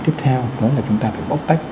tiếp theo đó là chúng ta phải bóc tách